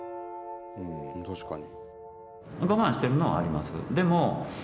確かに。